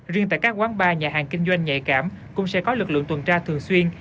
riêng tại các quán bar nhà hàng kinh doanh nhạy cảm cũng sẽ có lực lượng tuần tra thường xuyên